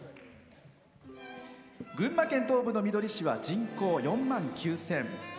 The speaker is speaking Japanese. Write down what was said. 群馬県東部のみどり市は人口４万９０００。